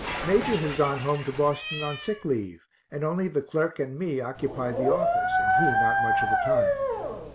Major has gone home to Boston on sick leave, and only the clerk and me occupy the office, and he not much of the time.